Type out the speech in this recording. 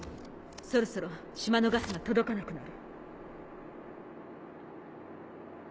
そろそろ島のガスが届かなくなる。